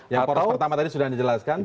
yang poros pertama tadi sudah anda jelaskan